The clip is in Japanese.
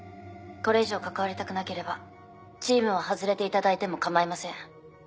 これ以上関わりたくなければチームを外れていただいても構いません。